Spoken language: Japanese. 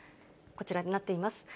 こちらになっています。